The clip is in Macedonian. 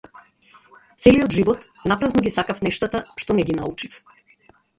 Целиот живот напразно ги сакав нештата што не ги научив.